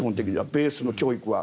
ベースの教育は。